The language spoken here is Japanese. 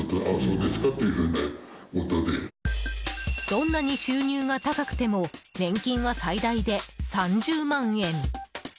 どんなに収入が高くても年金は最大で３０万円。